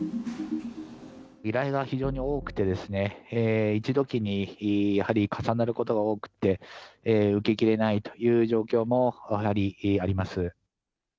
依頼が非常に多くてですね、一時にやはり重なることが多くって、受けきれないという状況もやはりあります。